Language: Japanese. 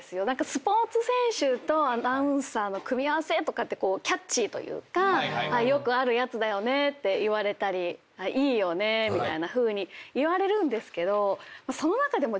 スポーツ選手とアナウンサーの組み合わせとかってキャッチーというかよくあるやつだよねって言われたりいいよねみたいなふうに言われるんですけどその中でも。